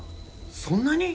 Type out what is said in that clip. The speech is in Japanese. そんなに？